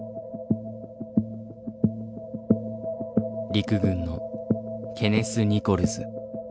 陸軍のケネス・ニコルズ。